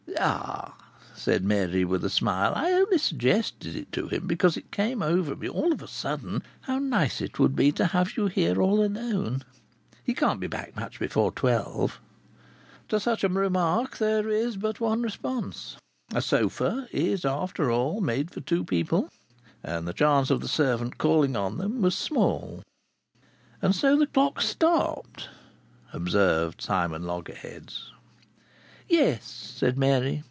"Ah!" said Mary, with a smile. "I only suggested it to him because it came over me all of a sudden how nice it would be to have you here all alone! He can't be back much before twelve." To such a remark there is but one response. A sofa is, after all, made for two people, and the chance of the servant calling on them was small. "And so the clock stopped!" observed Simon Loggerheads. "Yes," said Mary.